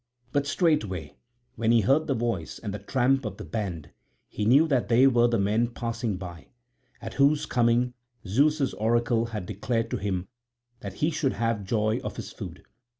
But straightway when he heard the voice and the tramp of the band he knew that they were the men passing by, at whose coming Zeus' oracle had declared to him that he should have joy of his food.